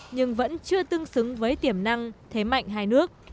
nhưng vẫn chưa tương xứng với tiềm năng thế mạnh hai nước